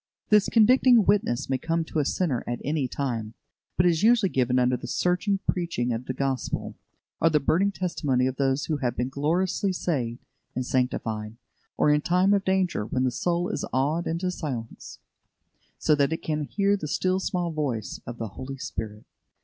This convicting witness may come to a sinner at any time, but it is usually given under the searching preaching of the Gospel, or the burning testimony of those who have been gloriously saved and sanctified; or in time of danger, when the soul is awed into silence, so that it can hear the "still small voice" of the Holy Spirit.